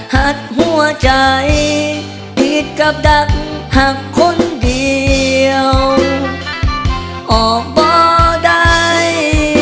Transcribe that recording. หัดหัวใจผิดกับดักหักคนเดียวออกบ่ได้